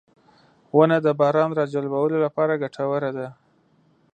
• ونه د باران راجلبولو لپاره ګټوره ده.